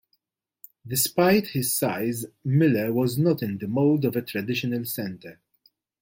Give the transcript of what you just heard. Despite his size, Miller was not in the mold of a traditional center.